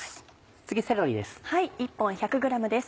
次セロリです。